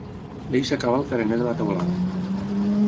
L'eix acaba al carener de la teulada.